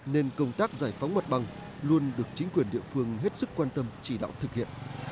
nên công tác giải phóng mặt bằng luôn được chính quyền địa phương hết sức quan tâm chỉ đạo thực hiện